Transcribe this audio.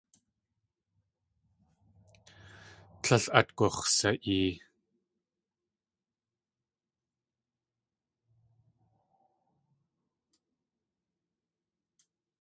Tlél at gux̲sa.ee.